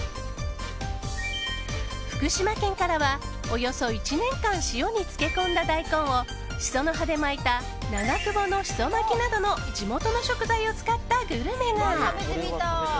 福島県からは、およそ１年間塩に漬け込んだ大根をシソの葉で巻いた長久保のしそ巻などの地元の食材を使ったグルメが。